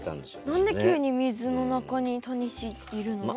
何で急に水の中にタニシいるの？